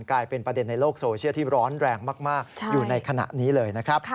กลายเป็นประเด็นในโลกโซเชียลที่ร้อนแรงมากอยู่ในขณะนี้เลยนะครับ